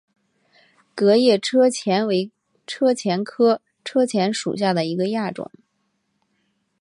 革叶车前为车前科车前属下的一个亚种。